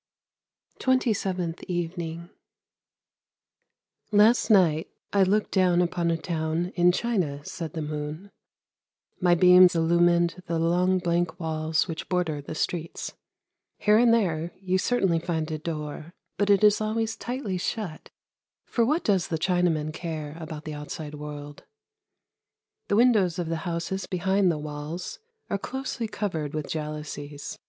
TWENTY SEVENTH EVENING " Last night I looked down upon a town in China," said the moon; "my beams illumined the long blank walls which border the streets. Here and there you certainly find a door, but it is always tightly shut, for what does the Chinaman care about the outside world ! The windows of the houses behind the walls are closely covered with jalousies.